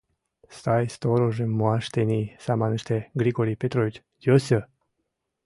— Сай сторожым муаш тений саманыште, Григорий Петрович, йӧсӧ.